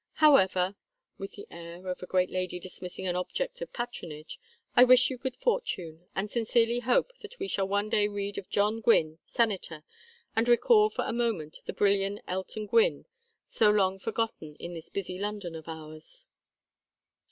However" with the air of a great lady dismissing an object of patronage "I wish you good fortune, and sincerely hope that we shall one day read of John Gwynne, senator, and recall for a moment the brilliant Elton Gwynne so long forgotten in this busy London of ours."